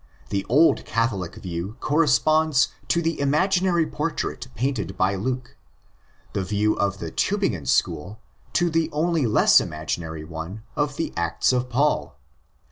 The old Catholic view corresponds to the imaginary portrait painted by Luke; the view of the Tubingen school to the only less imaginary one of the Acts of Paul.